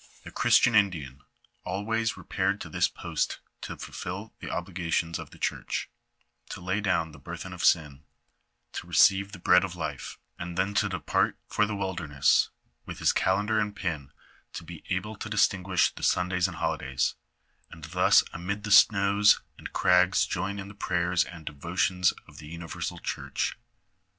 Tlie Christian Indian always repaired to this post to fulfil the obligations of the church, to lay down the burthen of sin, to receive the bread of life, and then depart for the wilderness with his calendar and pin to be able to distinguish the Sundays and holydays; and thus amid the snows and crags join in the prayers and devotions of the universal church.